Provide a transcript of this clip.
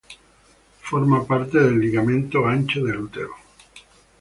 Forma parte del ligamento ancho del utero.